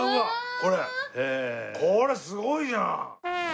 これすごいじゃん！